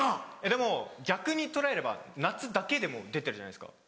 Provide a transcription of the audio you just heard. でも逆に捉えれば夏だけでも出てるじゃないですか。